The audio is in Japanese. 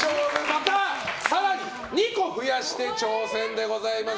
また更に２個増やして挑戦でございます！